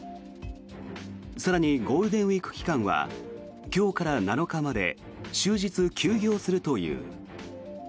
更にゴールデンウィーク期間は今日から７日まで終日休業するという。